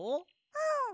うん。